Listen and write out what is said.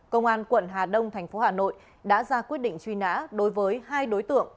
công an quận hà đông thành phố hà nội đã ra quyết định truy nã đối với hai đối tượng